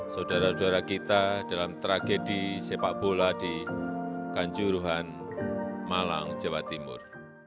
saudara saudara kita dalam tragedi sepak bola di kanjuruhan malang jawa timur